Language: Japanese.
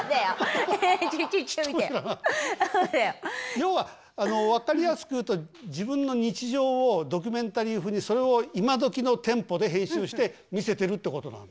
要は分かりやすく言うと自分の日常をドキュメンタリー風にそれを今どきのテンポで編集して見せてるってことなの？